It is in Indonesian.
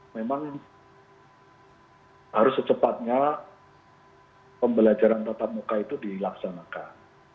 memang harus secepatnya pembelajaran tatap muka itu dilaksanakan